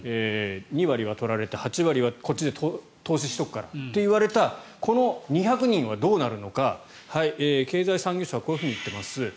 ２割は取られて８割はこっちで投資しておくからと言われたこの２００人はどうなるのか経済産業省はこう言っています。